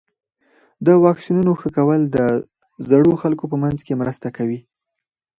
د واکسینونو ښه کول د زړو خلکو په منځ کې مرسته کوي.